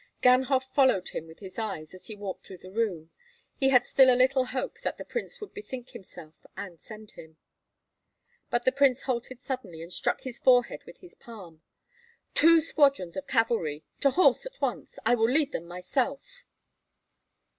Ganhoff followed him with his eyes as he walked through the room; he had still a little hope that the prince would bethink himself, and send him. But the prince halted suddenly, and struck his forehead with his palm. "Two squadrons of cavalry, to horse at once! I will lead them myself."